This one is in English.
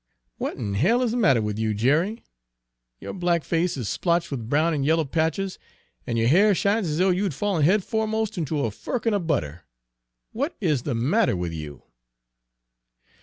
"What, in h ll is the matter with you, Jerry? Your black face is splotched with brown and yellow patches, and your hair shines as though you had fallen head foremost into a firkin of butter. What's the matter with you?"